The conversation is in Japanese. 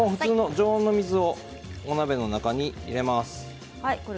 常温の水を、お鍋の中に入れます。